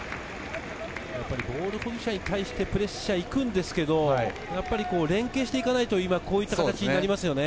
ボール保持者に対してプレッシャーをかけに行くんですけれど、連係していかないとこういった形になりますね。